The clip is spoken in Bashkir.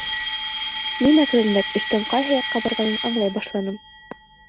Мин әкренләп эштең ҡайһы яҡҡа барғанын аңлай башланым.